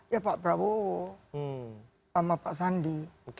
ya pak prabowo sama pak sandi